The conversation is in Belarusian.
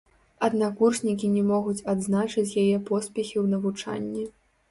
Аднакурснікі не могуць адзначыць яе поспехі ў навучанні.